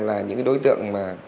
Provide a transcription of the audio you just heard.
là những đối tượng